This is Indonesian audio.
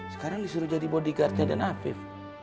sekarang disuruh jadi bodyguardnya dan afif